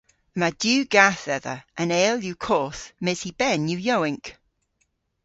Yma diw gath dhedha. An eyl yw koth mes hy ben yw yowynk.